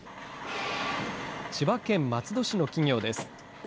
千葉県松戸市の企業です。